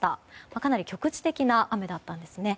かなり局地的な雨だったんですね。